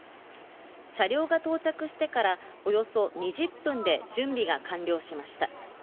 車両が到着してからおよそ２０分で準備が完了しました。